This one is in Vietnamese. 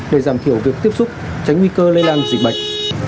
để giảm thiểu việc tiếp xúc tránh nguy cơ lây lan dịch bệnh